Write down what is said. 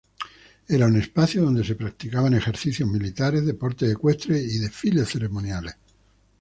Era un espacio donde se practicaban ejercicios militares, deportes ecuestres y desfiles ceremoniales.